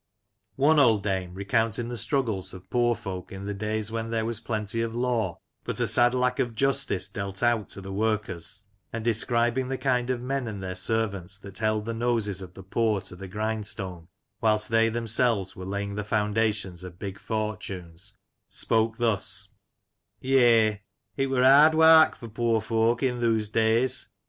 One old dame, re counting the struggles of poor folk in the days when there was plenty of law, but a sad lack of justice dealt out to the workers, and describing the kind of men and their servants that held the noses of the poor to the grindstone whilst they themselves were laying the foundations of big fortunes, spoke thus :" Yei, it wur hard wark for poor folk i' thoose days.